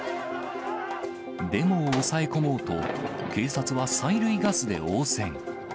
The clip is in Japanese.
デモを抑え込もうと、警察は催涙ガスで応戦。